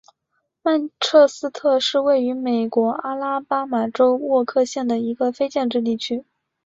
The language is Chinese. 曼彻斯特是位于美国阿拉巴马州沃克县的一个非建制地区。